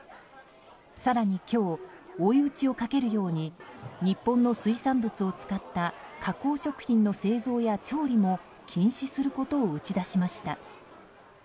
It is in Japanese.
更に今日追い打ちをかけるように日本の水産物を使った加工物の輸入や調理も禁止することを打ち出しました。